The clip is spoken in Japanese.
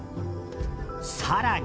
更に。